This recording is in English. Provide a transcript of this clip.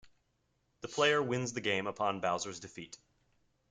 The player wins the game upon Bowser's defeat.